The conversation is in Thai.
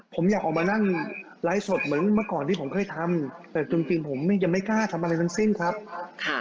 ผมอยากออกมานั่งไลฟ์สดเหมือนเมื่อก่อนที่ผมเคยทำแต่จริงจริงผมยังไม่กล้าทำอะไรทั้งสิ้นครับค่ะ